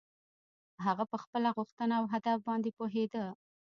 هغه په خپله غوښتنه او هدف باندې پوهېده.